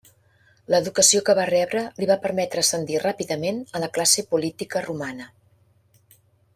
L'educació que va rebre li va permetre ascendir ràpidament a la classe política romana.